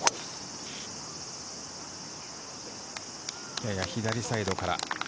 やや左サイドから。